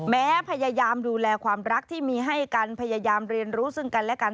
พยายามดูแลความรักที่มีให้กันพยายามเรียนรู้ซึ่งกันและกัน